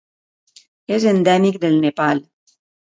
És endèmic del Nepal.